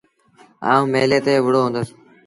آئوٚݩ ميلي تي وُهڙو هُندس۔